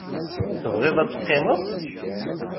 Tebɣiḍ ad teqqimeḍ?